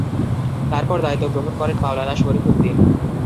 তারপর দায়িত্ব গ্রহণ করেন মাওলানা শরিফ উদ্দিন।